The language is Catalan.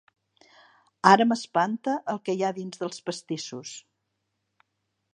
Ara m'espanta el que hi ha dins dels pastissos.